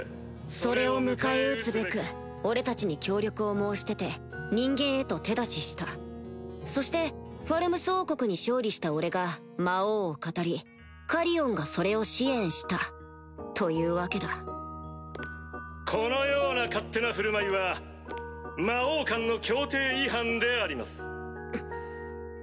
それを迎え撃つべく俺たちに協力を申し出て人間へと手出ししたそしてファルムス王国に勝利した俺が魔王をかたりカリオンがそれを支援したというわけだこのような勝手な振る舞いは魔王間の協定違反であります。